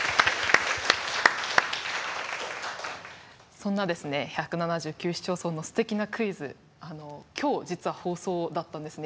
そんな１７９市町村のすてきなクイズ、今日実は放送だったんですね